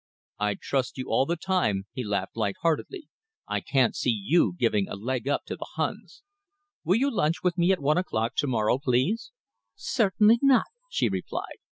"I'd trust you all the time," he laughed lightheartedly. "I can't see you giving a leg up to the Huns.... Will you lunch with me at one o'clock to morrow, please?" "Certainly not," she replied.